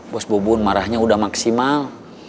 bos bubun marahnya udah maksimal